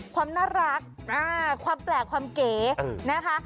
ความน่ารักความแปลกความเก๋นะคะ